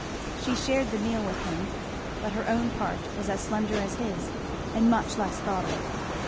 She shared the meal with him, but her own part was as slender as his and much less thought of.